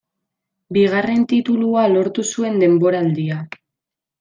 Bigarren titulua lortu zuen denboraldia.